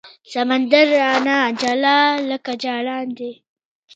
سمندر رانه جلا لکه جانان دی